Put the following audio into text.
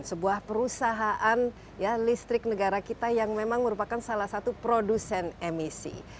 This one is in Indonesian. sebuah perusahaan listrik negara kita yang memang merupakan salah satu produsen emisi